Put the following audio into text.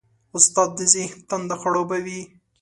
استاد د ذهن تنده خړوبوي.